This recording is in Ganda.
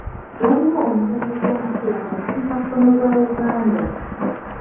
Waaliwo omuzannyo gw'omupiira mu bukiikakkono bwa Uganda.